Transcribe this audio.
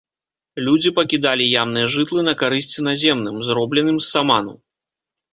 Людзі пакідалі ямныя жытлы на карысць наземным, зробленым з саману.